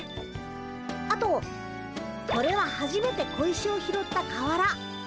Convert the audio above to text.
あとこれははじめて小石を拾った川原。